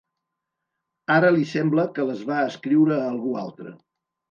Ara li sembla que les va escriure algú altre.